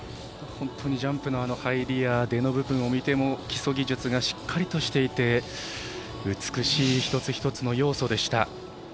本当にジャンプの入りや出の部分を見ても基礎技術がしっかりとしていて美しい一つ一つの要素でした。